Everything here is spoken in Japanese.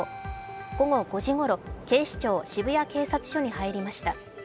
午後５時ごろ、警視庁渋谷警察署に入りました。